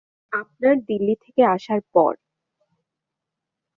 আপনার দিল্লি থেকে আসার পর!